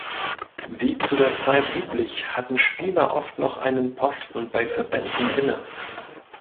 Wie zu der Zeit üblich hatten Spieler oft noch einen Posten bei Verbänden inne.